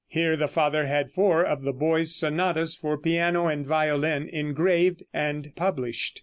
Here the father had four of the boy's sonatas for piano and violin engraved and published.